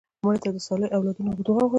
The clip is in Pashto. مړه ته د صالحو اولادونو دعا غواړو